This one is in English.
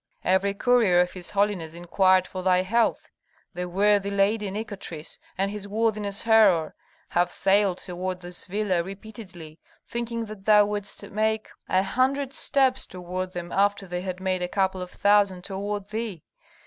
Every courier of his holiness inquired for thy health; the worthy lady, Nikotris, and his worthiness Herhor have sailed toward this villa repeatedly, thinking that thou wouldst make a hundred steps toward them after they had made a couple of thousand toward thee.